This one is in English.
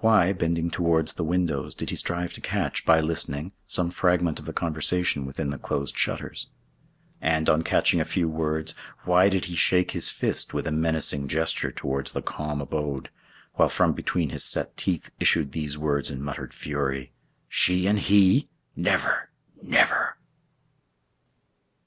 Why, bending towards the windows, did he strive to catch, by listening, some fragment of the conversation within the closed shutters? And, on catching a few words, why did he shake his fist with a menacing gesture towards the calm abode, while from between his set teeth issued these words in muttered fury, "She and he? Never! never!"